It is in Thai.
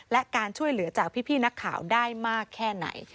และการช่วยเหลือจากพี่นักข่าวได้มากแค่ไหน